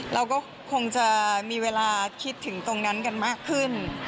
เราก็คงจะมีเวลาคิดถึงตรงนั้นกันมากขึ้น